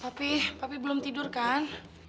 papi papi belum tidur kan